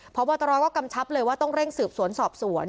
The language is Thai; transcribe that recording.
พบตรก็กำชับเลยว่าต้องเร่งสืบสวนสอบสวน